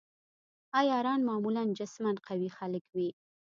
عیاران معمولاً جسماً قوي خلک وي.